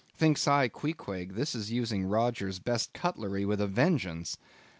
Thinks I, Queequeg, this is using Rogers's best cutlery with a vengeance.